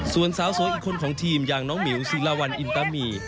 ส่วนสาวสวยอีกคนของทีมอย่างน้องหมิวศิลาวันอินตามี